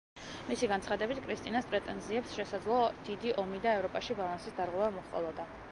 მისი განცხადებით კრისტინას პრეტენზიებს შესაძლოა დიდი ომი და ევროპაში ბალანსის დარღვევა მოჰყოლოდა.